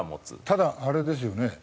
ただあれですよね？